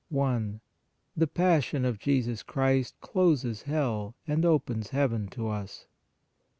THE PASSION OF JESUS CHRIST CLOSES HELL AND OPENS HEAVEN TO us.